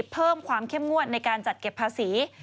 เพิ่มความเข้มงวดในการจัดเก็บภาษี